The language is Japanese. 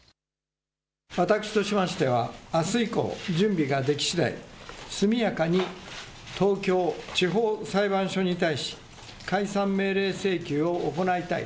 私としましてはあす以降、準備ができしだい速やかに東京地方裁判所に対し解散命令請求を行いたい。